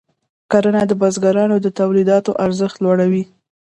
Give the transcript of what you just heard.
کرنه د بزګرانو د تولیداتو ارزښت لوړوي.